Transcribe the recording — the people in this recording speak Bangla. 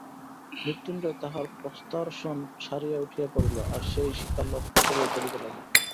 মৃত্যুঞ্জয় তাহার প্রস্তরাসন ছাড়িয়া উঠিয়া পড়িল আর সেই শিখা লক্ষ্য করিয়া চলিতে লাগিল।